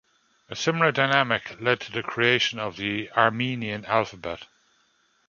A similar dynamic led to the creation of the Armenian alphabet.